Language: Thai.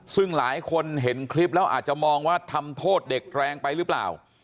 ซึ่งหลายคนเห็นคลิปแล้วอาจจะมองว่าทำโทษเด็กแรงไปหรือเปล่า